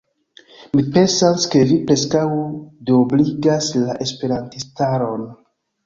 Mi pensas, ke vi preskaŭ duobligas la esperantistaron.